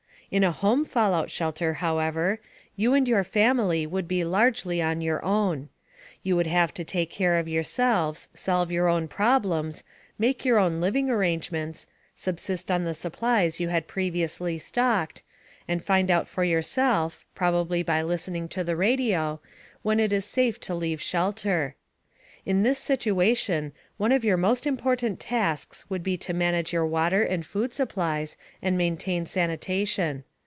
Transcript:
In a home fallout shelter, however, you and your family would be largely on your own. You would have to take care of yourselves, solve your own problems, make your own living arrangements, subsist on the supplies you had previously stocked, and find out for yourself (probably by listening to the radio) when it was safe to leave shelter. In this situation, one of your most important tasks would be to manage your water and food supplies, and maintain sanitation.